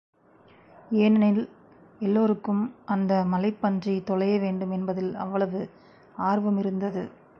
ஏனெனில், எல்லோருக்கும் அந்த மலைப்பன்றி தொலைய வேண்டும் என்பதில் அவ்வளவு ஆர்வமிருந்தது.